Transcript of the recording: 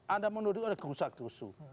anda menuduh itu adalah kusah kusuh